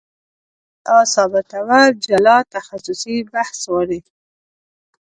دا ادعا ثابتول جلا تخصصي بحث غواړي.